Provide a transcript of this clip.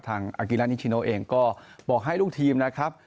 อากิลานิชิโนเองก็บอกให้ลูกทีมนะครับ